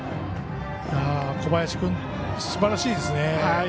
小林君、すばらしいですね。